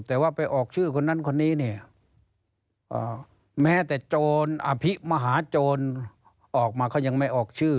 แต่ว่าไปออกชื่อคนนั้นคนนี้เนี่ยแม้แต่โจรอภิมหาโจรออกมาเขายังไม่ออกชื่อ